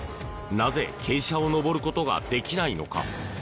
なぜ、傾斜を上ることができないのか。